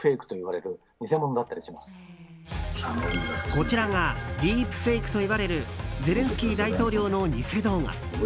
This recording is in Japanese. こちらがディープフェイクといわれるゼレンスキー大統領の偽動画。